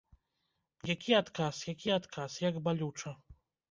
Які адказ, які адказ, як балюча!